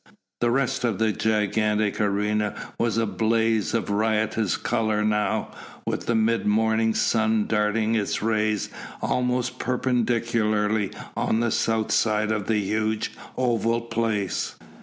The rest of the gigantic arena was a blaze of riotous colour now, with the mid morning's sun darting its rays almost perpendicularly on the south side of the huge oval place.